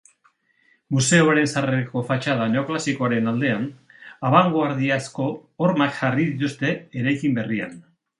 Museoaren sarrerako fatxada neoklasikoaren aldean, abangoardiazko hormak jarri dituzte eraikin berrian.